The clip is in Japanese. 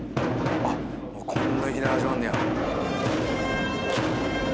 こんないきなり始まんのや。